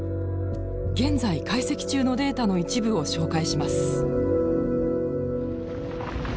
現在解析中のデータの一部を紹介します。